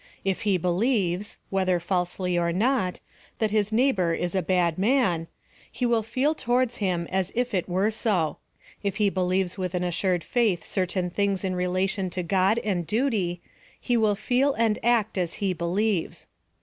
If he believes (whether falsely or not) that his PLAN OP' SALVATION. 271 neighlor is a bad man, he will feel towards nim as if it were so. If he believes with an assured faith certain things in relation to God and duty, he will feel and act as he believes.